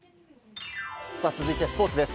続いてスポーツです。